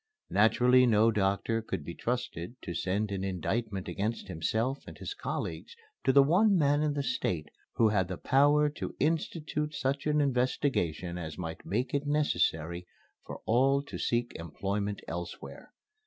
Naturally no doctor could be trusted to send an indictment against himself and his colleagues to the one man in the State who had the power to institute such an investigation as might make it necessary for all to seek employment elsewhere.